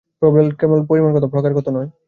প্রভেদ কেবল পরিমাণগত, প্রকারগত নয়।